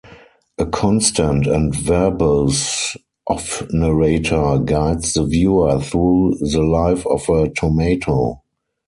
A constant and verbose off-narrator guides the viewer through the life of a tomato.